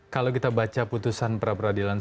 kalau kita baca putusan peradilan sebelumnya